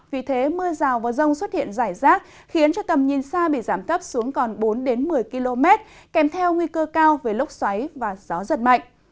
vì thế mưa rào và rông xuất hiện rải rác khiến cho tầm nhìn xa bị giảm thấp xuống còn bốn một mươi km kèm theo nguy cơ cao về lốc xoáy và gió giật mạnh